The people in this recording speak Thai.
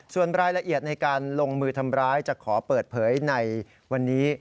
ส่วนรายละเอียดในการลงมือทำร้ายจะขอเปิดเผยในวันนี้